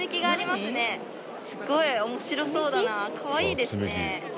すごい面白そうだなかわいいですね。